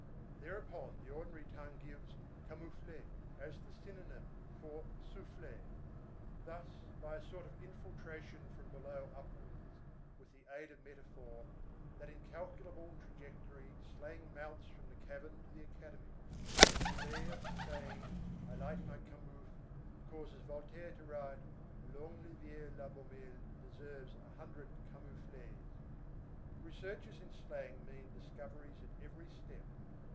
Thereupon, the ordinary tongue gives _camouflet_42 as the synonym for soufflet. Thus, by a sort of infiltration from below upwards, with the aid of metaphor, that incalculable, trajectory slang mounts from the cavern to the Academy; and Poulailler saying: "I light my camoufle," causes Voltaire to write: "Langleviel La Beaumelle deserves a hundred camouflets." Researches in slang mean discoveries at every step.